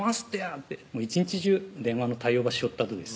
って一日中電話の対応ばしよったとです